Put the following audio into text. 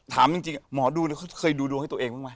ถามจริงหมอดูเขาเคยดูดวงให้ตัวเองบ้างไหม